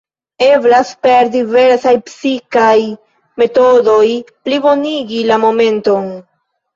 Eblas per diversaj psikaj metodoj "plibonigi la momenton".